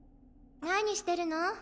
何してるの？